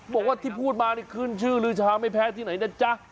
บอกว่าที่พูดมานี่ขึ้นชื่อลือชาไม่แพ้ที่ไหนนะจ๊ะ